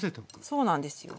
そうなんですよ。